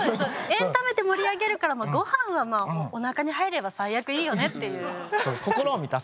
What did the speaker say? エンタメで盛り上げるからごはんはおなかに入れば最悪いいよねっていう。